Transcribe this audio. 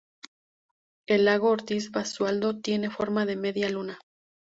El lago Ortiz Basualdo tiene forma de media luna.